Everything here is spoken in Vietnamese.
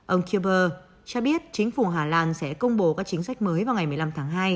ông kirber cho biết chính phủ hà lan sẽ công bố các chính sách mới vào ngày một mươi năm tháng hai